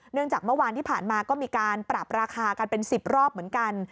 จากเมื่อวานที่ผ่านมาก็มีการปรับราคากันเป็น๑๐รอบเหมือนกัน